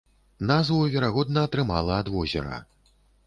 Назву, верагодна, атрымала ад возера.